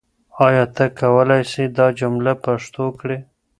آیا ته کولای سې دا جمله پښتو کړې؟